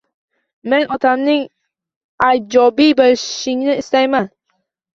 Men otamning iyjobiy boʻlishingni istayman